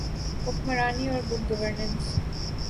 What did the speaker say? حکمرانی اورگڈ گورننس۔